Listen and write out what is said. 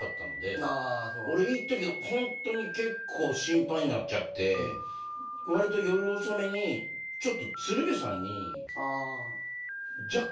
俺いっときホントに結構心配になっちゃってわりと夜遅めにちょっと鶴瓶さんに若干半泣きで電話したことがあって。